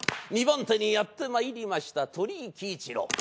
２番手にやってまいりました鳥居喜一郎。